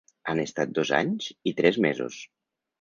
Han estat dos anys i tres mesos.